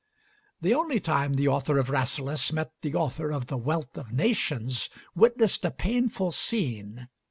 The only time the author of 'Rasselas' met the author of the 'Wealth of Nations' witnessed a painful scene.